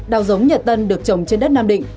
đào giống nhật tân được trồng trên đất nam định